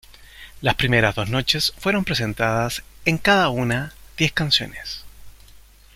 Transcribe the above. Las primeras dos noches fueron presentadas, en cada una, diez canciones.